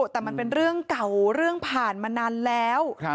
แต่มันเป็นเรื่องเก่าเรื่องผ่านมานานแล้ว